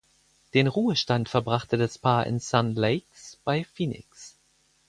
Den Ruhestand verbrachte das Paar in Sun Lakes bei Phoenix.